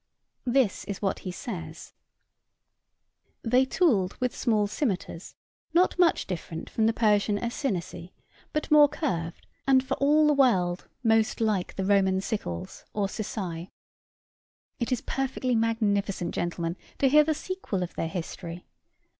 This is what he says 'They tooled with small scymetars not much different from the Persian acinacæ, but more curved, and for all the world most like the Roman sickles or sicæ.' It is perfectly magnificent, gentlemen, to hear the sequel of their history.